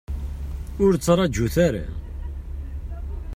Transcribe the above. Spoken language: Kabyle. Ur ttraǧut ara.